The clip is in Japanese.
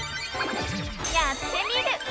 「やってみる。」。